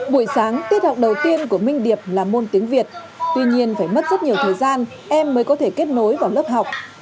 buổi sáng tiết học đầu tiên của minh điệp là môn tiếng việt tuy nhiên phải mất rất nhiều thời gian em mới có thể kết nối vào lớp học